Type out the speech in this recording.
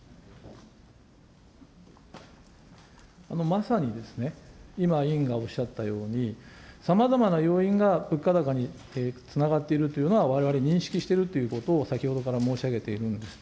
まさにですね、今委員がおっしゃったように、さまざまな要因が物価高につながっているというのは、われわれ認識してるということを先ほどから申し上げているんです。